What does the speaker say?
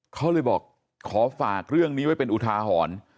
เขาเลยบอกขอฝากเรื่องนี้ไว้เป็นอุทาหรณ์